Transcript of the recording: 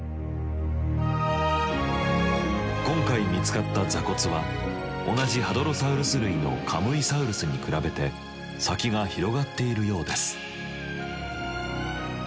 今回見つかった座骨は同じハドロサウルス類のカムイサウルスに比べて先が広がっているようです。